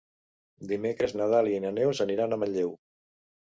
Dimecres na Dàlia i na Neus aniran a Manlleu.